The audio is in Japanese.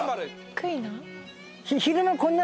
クイナ？